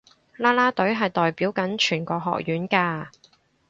啦啦隊係代表緊全個學院㗎